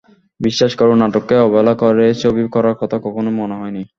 বিশ্বাস করুন, নাটককে অবহেলা করে ছবি করার কথা কখনোই মনে হয়নি।